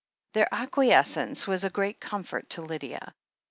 Their acquiescence was a great comfort to Lydia.